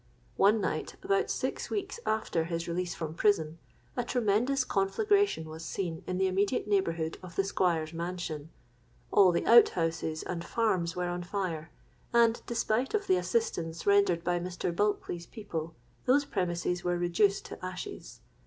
One night, about six weeks after his release from prison, a tremendous conflagration was seen in the immediate neighbourhood of the Squire's mansion: all the out houses and farms were on fire; and, despite of the assistance rendered by Mr. Bulkeley's people, those premises were reduced to ashes.